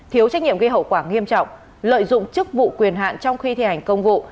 thiếu trách nhiệm gây hậu quả nghiêm trọng lợi dụng chức vụ quyền hạn trong khi thi hành công vụ